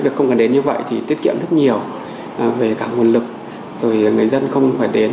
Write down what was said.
việc không cần đến như vậy thì tiết kiệm rất nhiều về cả nguồn lực rồi người dân không phải đến